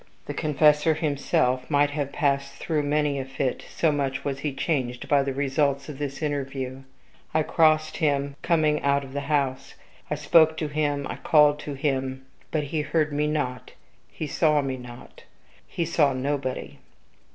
The confessor himself might have passed through many a fit, so much was he changed by the results of this interview. I crossed him coming out of the house. I spoke to him I called to him; but he heard me not he saw me not. He saw nobody.